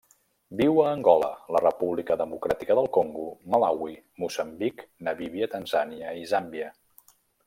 Viu a Angola, la República Democràtica del Congo, Malawi, Moçambic, Namíbia, Tanzània i Zàmbia.